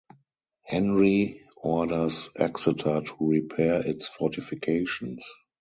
Henry orders Exeter to repair its fortifications.